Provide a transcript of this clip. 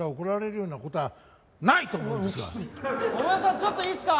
ちょっといいっすか？